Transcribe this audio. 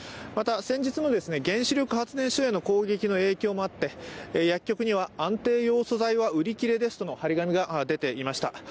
また、先日も原子力発電所への攻撃もあって薬局には安定ヨウ素剤は売り切れですとの貼り紙が出ていました。